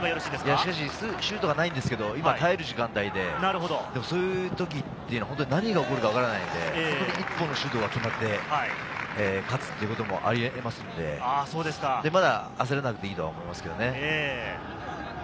シュートはないんですけど今は耐える時間帯で、そういう時というのは何が起こるか分からないので、１本のシュートが決まって、勝つということもあり得ますんで、まだ焦らなくていいと思います。